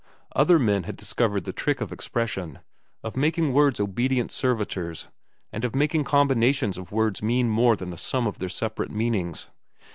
Other men had discovered the trick of expression, of making words obedient servitors, and of making combinations of words mean more than the sum of their separate meanings.